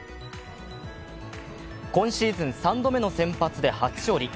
今シーズン３度目の先発で初勝利。